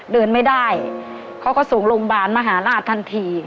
เดินไม่ได้เขาก็ส่งโรงพยาบาลมหาราชทันที